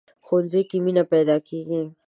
ښوونځی کې مینه پيداکېږي